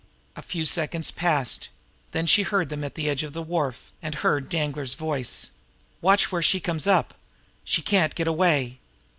A few seconds passed; then she heard them at the edge of the wharf, and heard Danglar s voice. "Watch where she comes up! She can't get away!"